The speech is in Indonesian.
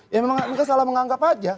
ya memang ini kan salah menganggap aja